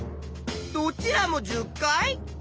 どちらも１０回？